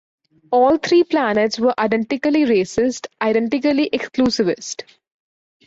All three planets were identically racist, identically exclusivist.